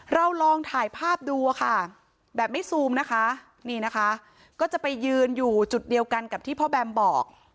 เราลองถ่ายภาพดูอะค่ะแบบไม่ซูมนะคะนี่นะคะก็จะไปยืนอยู่จุดเดียวกันกับที่พ่อแบมบอก